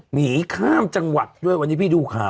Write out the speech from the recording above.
หนีข้ามจังหวัดด้วยวันนี้พี่ดูข่าว